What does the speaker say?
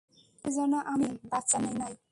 এর জন্য আমি, বাচ্চা নেই নাই।